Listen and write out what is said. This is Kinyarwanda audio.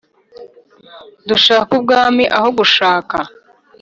Dushake ubwami aho gushaka